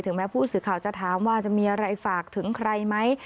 แม้ผู้สื่อข่าวจะถามว่าจะมีอะไรฝากถึงใครไหม